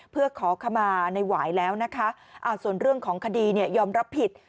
เพื่อขอขมาในหวายแล้วนะคะส่วนเรื่องของคดีเนี่ยยอมรับผิด